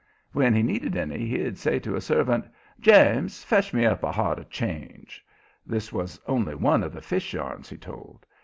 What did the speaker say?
When he needed any, he'd say to a servant: "James, fetch me up a hod of change." This was only one of the fish yarns he told.